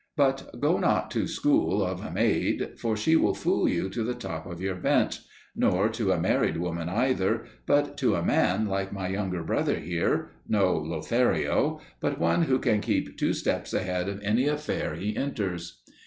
But go not to school of a maid, for she will fool you to the top of your bent, nor to a married woman either, but to a man like my younger brother here, no Lothario, but one who can keep two steps ahead of any affair he enters.